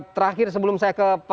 terakhir sebelum saya ke